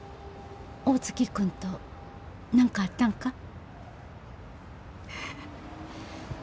大月君と何かあったんか？